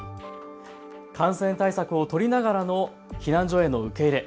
感染対策を取りながらの避難所への受け入れ。